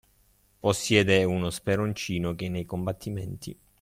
Possiede uno speroncino che nei combattimenti.